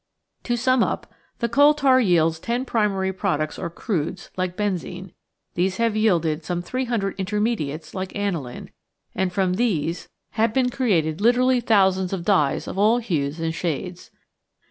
To sum up, the coal tar yields ten primary products or "crudes," like benzene; these have yielded some three hundred "intermediates" like aniline; and from these have been created 750 The Outline of Science literally thousands of dyes of all hues and shades.